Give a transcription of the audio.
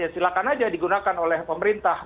silakan aja digunakan oleh pemerintah